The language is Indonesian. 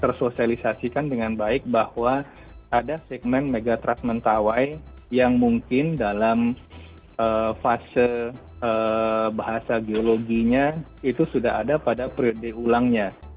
tersosialisasikan dengan baik bahwa ada segmen megatrust mentawai yang mungkin dalam fase bahasa geologinya itu sudah ada pada periode ulangnya